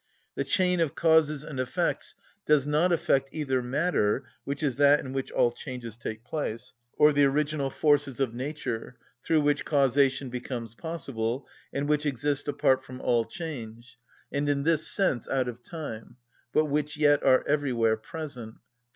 The chain of causes and effects does not affect either matter, which is that in which all changes take place, or the original forces of nature, through which causation becomes possible, and which exist apart from all change, and in this sense out of time, but which yet are everywhere present (_e.